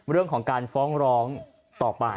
เรื่องของการฟ้องร้องต่อไป